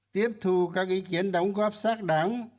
tiếp thu các ý kiến đóng góp sát đáng